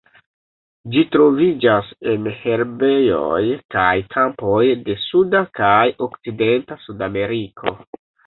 Ĝi troviĝas en herbejoj kaj kampoj de suda kaj okcidenta Sudameriko.